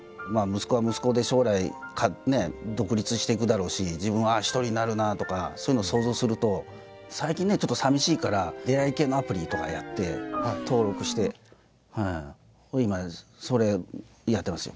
息子は息子で将来独立していくだろうし自分は一人になるなあとかそういうのを想像すると最近ねちょっと寂しいから出会い系のアプリとかやって登録して今それやってますよ